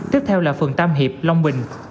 tiếp theo là phường tam hiệp long bình